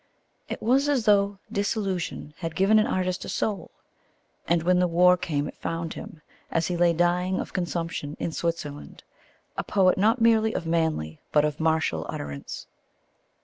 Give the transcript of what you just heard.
It was as though disillusion had given an artist a soul. And when the war came it found him, as he lay dying of consumption in Switzerland, a poet not merely of manly but of martial utterance.